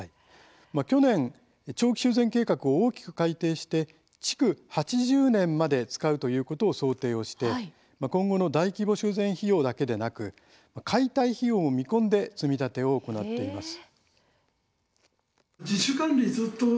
去年、長期修繕計画を大きく改定して、築８０年まで使うということを想定をして今後の大規模修繕費用だけでなく解体費用を見込んで積み立てを行っています。